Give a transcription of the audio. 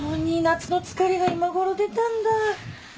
夏の疲れが今ごろ出たんだ。